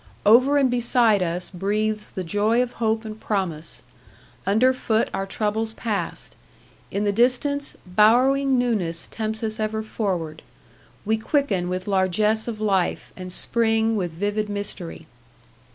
Over and beside us breathes the joy of hope and promise; under foot are troubles past; in the distance bowering newness tempts us ever forward. We quicken with largesse of life, and spring with vivid mystery.